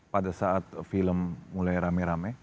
pada saat film mulai rame rame